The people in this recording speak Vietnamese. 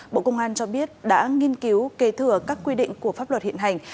bộ công an cho biết đã nghiên cứu kế thừa các quy định của pháp luật hiện hành